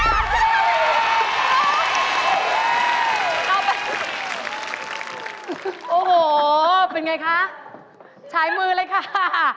มูลค่ะราคาอยู่ที่อ๋อโอ้โฮเป็นไงคะใช้มือเลยค่ะ